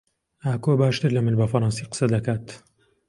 ئاکۆ باشتر لە من بە فەڕەنسی قسە دەکات.